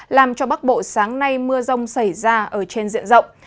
làm cho bắc bộ sáng nay mưa rông xảy ra ở trên diện rộng